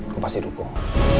gue pasti dukung